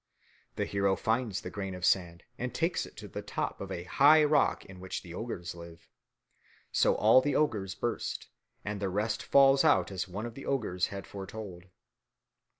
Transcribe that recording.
The hero finds the grain of sand and takes it to the top of the high rock in which the ogres live. So all the ogres burst and the rest falls out as one of the ogres had foretold.